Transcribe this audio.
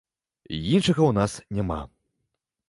Іншага ў нас няма.